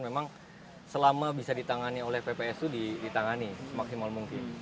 memang selama bisa ditangani oleh ppsu ditangani semaksimal mungkin